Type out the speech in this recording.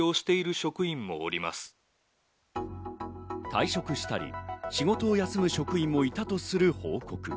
退職したり、仕事を休む職員もいたとする報告。